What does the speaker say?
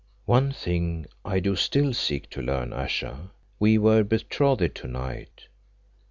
"One thing I do still seek to learn. Ayesha, we were betrothed to night.